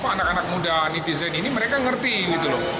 anak anak muda netizen ini mereka ngerti gitu loh